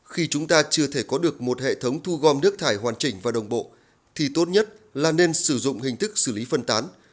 khi chúng ta chưa thể có được một hệ thống thu gom nước thải hoàn chỉnh và đồng bộ thì tốt nhất là nên sử dụng hình thức xử lý phân tán